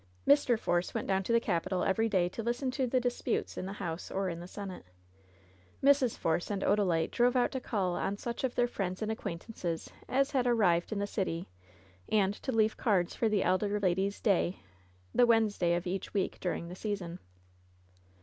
Mr. Force went down to the capitol every day to lis ten to the disputes in the House or in the Senate. Mrs. Force and Odalite drove out to call on such of their friends and acquaintances as had arrived in the city, and to leave cards for the elder lady's ^'day^^ — ^the Wednesday of each week during the season.